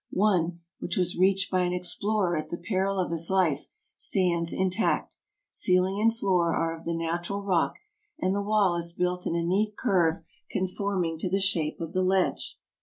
One, which was reached by an explorer at the peril of his life, stands intact ; ceiling and floor are of the natural rock, and the wall is built in a neat curve conforming to the shape of the ledge.